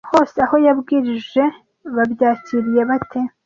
hose aho yabwirije babyakiriye bate